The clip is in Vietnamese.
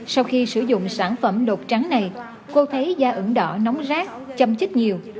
sau khi sử dụng sản phẩm đột trắng này cô thấy da ẩn đỏ nóng rác châm chích nhiều